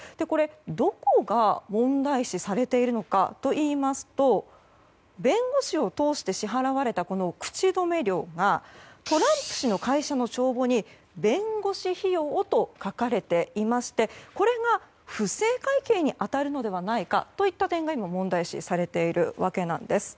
どこが問題視されているのかといいますと弁護士を通して支払われた口止め料がトランプ氏の会社の帳簿に「弁護士費用」と書かれていてこれが不正会計に当たるのではないかといった点が問題視されているわけなんです。